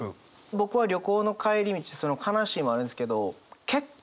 僕は旅行の帰り道悲しいもあるんですけど結果